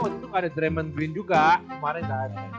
waktu itu gak ada dremond green juga kemarin kan